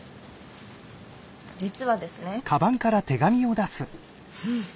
実はですね。